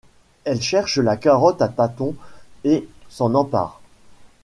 Elle cherche la carotte à tâtons et s'en empare.